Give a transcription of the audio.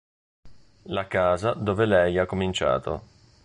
La casa dove lei ha cominciato".